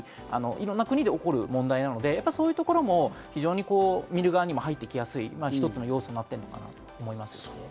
いろんな国で起こる問題なので、そういうところも非常に見る側に入ってきやすい要点となっていると思います。